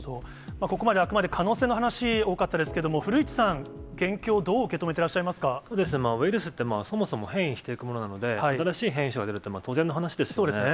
ここまであくまで可能性の話、多かったですけれども、古市さん、現況、ウイルスってそもそも変異していくものなので、新しい変異種が出るって、当然の話ですよね。